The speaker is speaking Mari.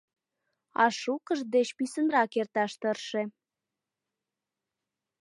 А шукышт деч писынрак эрташ тырше!